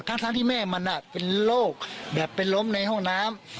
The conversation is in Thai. ทั้งที่แม่มันเป็นโรคแบบเป็นล้มในห้องน้ำ